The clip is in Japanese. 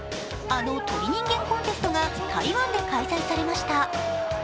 あの鳥人間コンテストが台湾で開催されました。